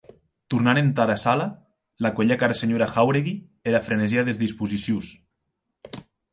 Tornant entara sala, la cuelhec ara senhora Jáuregui era frenesia des disposicions.